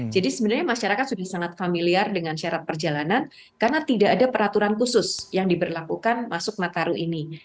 sebenarnya masyarakat sudah sangat familiar dengan syarat perjalanan karena tidak ada peraturan khusus yang diberlakukan masuk nataru ini